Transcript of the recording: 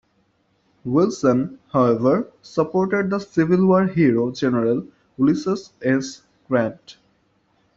Wilson, however, supported the Civil War hero General Ulysses S. Grant.